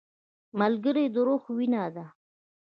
ملګری د روح وینه ده